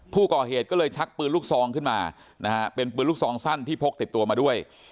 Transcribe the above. ผู้ก่อเหตุก็เลยชักปืนลูกซองขึ้นมานะฮะเป็นปืนลูกซองสั้นที่พกติดตัวมาด้วย